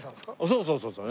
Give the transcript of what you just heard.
そうそうそうそう。